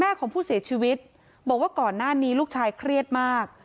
ของผู้เสียชีวิตบอกว่าก่อนหน้านี้ลูกชายเครียดมาก